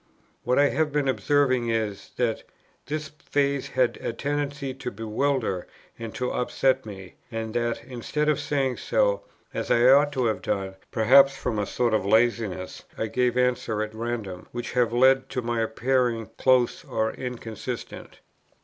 What I have been observing is, that this phase had a tendency to bewilder and to upset me; and, that, instead of saying so, as I ought to have done, perhaps from a sort of laziness I gave answers at random, which have led to my appearing close or inconsistent.